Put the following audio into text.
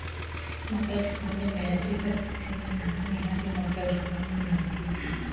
mwaka elfu moja mia tisa tisini na nne hadi mwaka elfu moja mia tisa